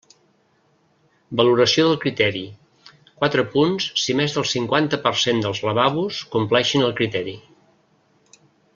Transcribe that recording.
Valoració del criteri: quatre punts si més del cinquanta per cent dels lavabos compleixen el criteri.